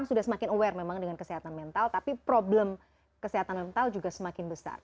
sudah semakin aware memang dengan kesehatan mental tapi problem kesehatan mental juga semakin besar